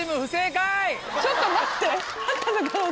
ちょっと待って。